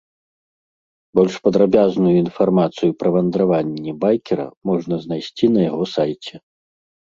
Больш падрабязную інфармацыю пра вандраванні байкера можна знайсці на яго сайце.